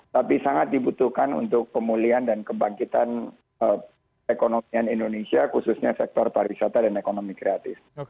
tapi sangat dibutuhkan untuk pemulihan dan kebangkitan ekonomi indonesia khususnya sektor pariwisata dan ekonomi kreatif